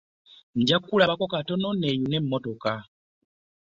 Nja kukulabako katono neeyune mmotoka.